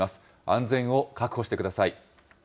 安全を確保してください。